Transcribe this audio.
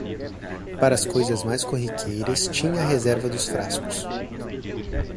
Para as coisas mais corriqueiras tinha a reserva dos frascos.